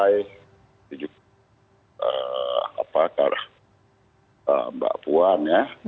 itu juga mbak puan ya